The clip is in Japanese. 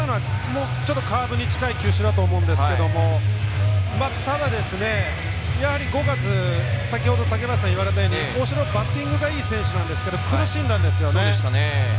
カーブに近い球種だと思うんですがただ５月先ほど竹林さんが言われたように大城はバッティングがいい選手なんですけども苦しんだんですね。